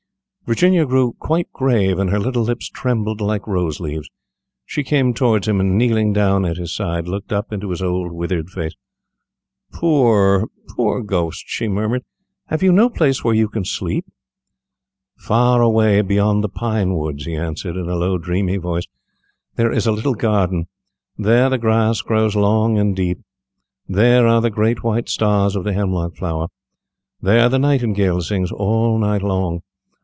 Virginia grew quite grave, and her little lips trembled like rose leaves. She came towards him, and kneeling down at his side, looked up into his old withered face. "Poor, poor Ghost," she murmured; "have you no place where you can sleep?" [Illustration: "'POOR, POOR GHOST,' SHE MURMURED; 'HAVE YOU NO PLACE WHERE YOU CAN SLEEP?'"] "Far away beyond the pine woods," he answered, in a low, dreamy voice, "there is a little garden. There the grass grows long and deep, there are the great white stars of the hemlock flower, there the nightingale sings all night long.